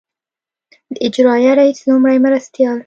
د اجرائیه رییس لومړي مرستیال.